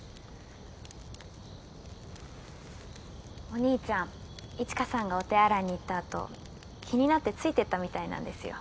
お兄ちゃん一華さんがお手洗いに行った後気になってついてったみたいなんですよ。